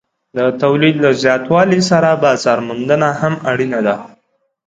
د تولید له زیاتوالي سره بازار موندنه هم اړینه ده.